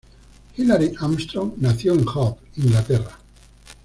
Hilary Armstrong nació en Hove, Inglaterra.